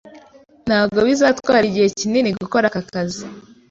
Ntabwo bizatwara igihe kinini gukora akazi.